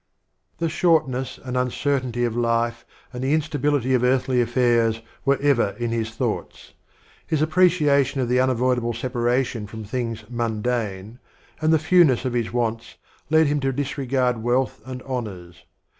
The shortness and uncertainty of life and the Introduction. instability of earthly affairs, were ever in his thoughts. His appreciation of the unavoidable separation from things mundane, and the fewness of his wants, led him to disregard wealth and honors.